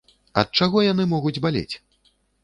Ад чаго яны могуць балець?